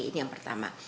ini yang pertama